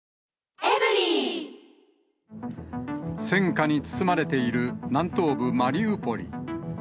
戦火に包まれている南東部マリウポリ。